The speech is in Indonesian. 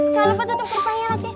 jangan lupa tutup kerupanya lagi